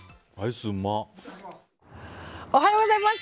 おはようございます。